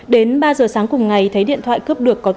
đến ba giờ sáng cùng ngày thấy điện thoại cướp được có